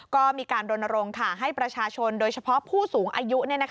ก็มีการรณรงค์ให้ประชาชนโดยเฉพาะผู้สูงอายุ